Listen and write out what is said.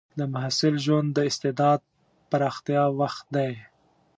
د محصل ژوند د استعداد پراختیا وخت دی.